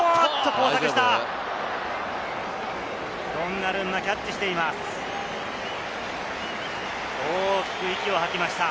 交錯した！